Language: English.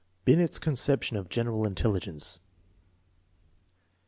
Binet's conception of general intelligence.